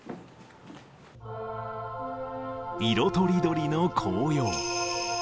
色とりどりの紅葉。